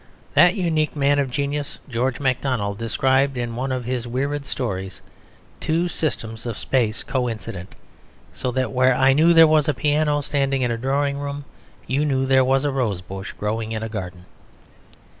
That unique man of genius, George Macdonald, described in one of his weird stories two systems of space co incident; so that where I knew there was a piano standing in a drawing room you knew there was a rose bush growing in a garden.